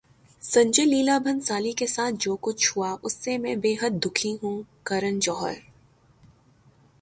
سنجے لیلا بھنسالی کے ساتھ جو کچھ ہوا اس سے میں بیحد دکھی ہوں: کرن جوہر